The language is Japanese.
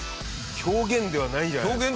狂言ではないんじゃないですか？